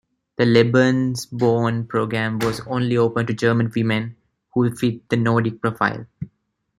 The Lebensborn program was only open to German women who fit the Nordic profile.